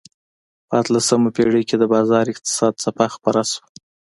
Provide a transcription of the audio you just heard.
په اتلسمه پېړۍ کې د بازار اقتصاد څپه خپره شوه.